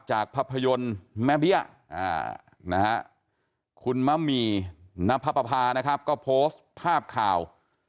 ภาพยนตร์แม่เบี้ยคุณมะหมี่นับพระปภานะครับก็โพสต์ภาพข่าว